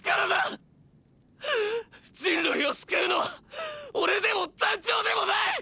人類を救うのはオレでも団長でもない！！